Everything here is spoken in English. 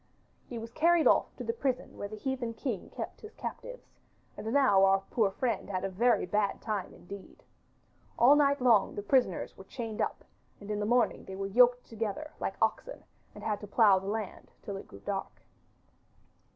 He was carried off to the prison where the heathen king kept his captives, and now our poor friend had a very bad time indeed. All night long the prisoners were chained up, and in the morning they were yoked together like oxen and had to plough the land till it grew dark.